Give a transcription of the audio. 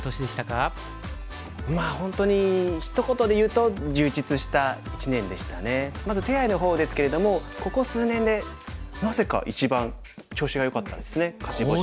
まあ本当にひと言でいうとまず手合の方ですけれどもここ数年でなぜか一番調子がよかったですね勝ち星が。